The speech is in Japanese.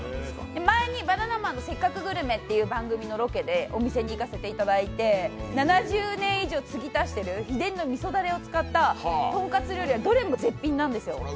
前に「バナナマンのせっかくグルメ！！」という番組のロケでお店に行かせていただいて７０年以上継ぎ足している秘伝の味噌だれを使ったとんかつ料理はどれも絶品なんですよ。